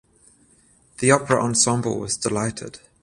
The opera ensemble was delighted.